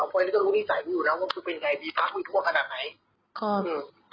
พลอยก็รู้นิสัยกูอยู่แล้วว่ามันคือเป็นไงพี่ฟักคุยทั่วขนาดไหน